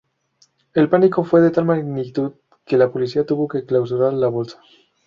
El pánico fue de tal magnitud que la policía tuvo que clausurar la bolsa.